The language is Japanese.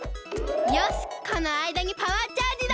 よしこのあいだにパワーチャージだ！